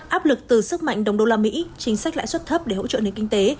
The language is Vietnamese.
áp lực từ sức mạnh đồng đô la mỹ chính sách lãi suất thấp để hỗ trợ nền kinh tế